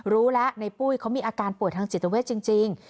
รู้แล้วในปุ้ยเขามีอาการป่วยทางจิตเวทจริง